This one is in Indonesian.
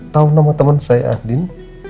tahu nama teman saya ardin